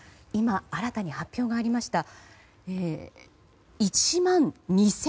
今、新たに発表がありました。